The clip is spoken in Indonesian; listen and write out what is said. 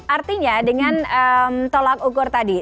artinya dengan tolak ukur tadi